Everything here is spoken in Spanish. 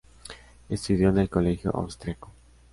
Estudió en el Colegio Austriaco.